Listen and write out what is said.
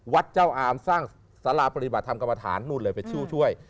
วัดเจ้าอามสร้างสาราปฏิบัติธรรมกรรมฐานนู่นเลยเป็นชื่อช่วย